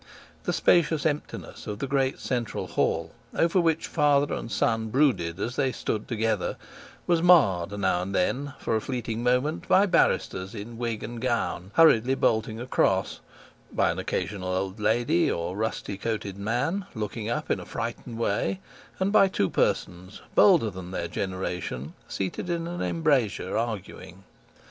The spacious emptiness of the great central hall, over which father and son brooded as they stood together, was marred now and then for a fleeting moment by barristers in wig and gown hurriedly bolting across, by an occasional old lady or rusty coated man, looking up in a frightened way, and by two persons, bolder than their generation, seated in an embrasure arguing.